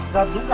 không được sợ